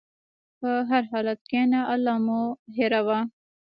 په هر حالت کښېنه، الله مه هېروه.